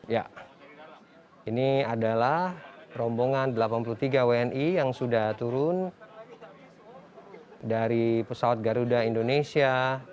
ya ini adalah rombongan delapan puluh tiga wni yang sudah turun dari pesawat garuda indonesia